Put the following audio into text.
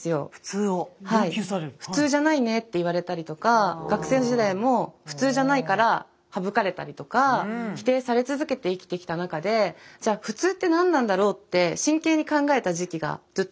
「普通じゃないね」って言われたりとか学生時代も普通じゃないからハブかれたりとか否定され続けて生きてきたなかでじゃあ普通って何なんだろうって真剣に考えた時期がずっとあったんですね